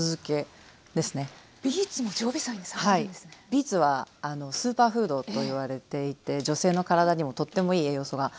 ビーツはスーパーフードといわれていて女性の体にもとってもいい栄養素がたっぷりじゃないですか。